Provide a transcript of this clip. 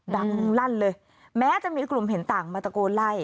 ลั่นเลยแม้จะมีกลุ่มเห็นต่างมาตะโกนไล่